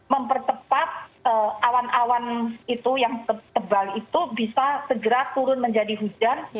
mempercepat awan awan itu yang tebal itu bisa segera turun menjadi hujan